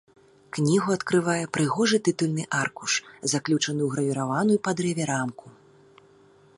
Кнігу адкрывае прыгожы тытульны аркуш, заключаны ў гравіраваную па дрэве рамку.